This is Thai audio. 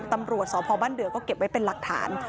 ตำรวจสพบ้านเดือก็เก็บไว้เป็นหลักฐาน